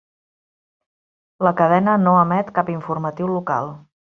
La cadena no emet cap informatiu local.